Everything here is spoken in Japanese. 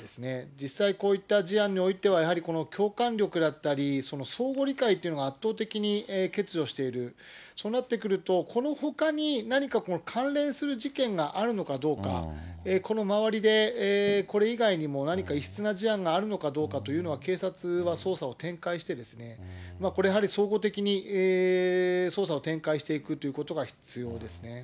実際、こういった事案においては、やはり共感力だったり、相互理解というのが圧倒的に欠如している、そうなってくると、このほかに何か関連する事件があるのかどうか、この周りでこれ以外にも何か異質な事案があるのかどうかというのは、警察は捜査を展開して、これやはり、総合的に捜査を展開していくということが必要ですね。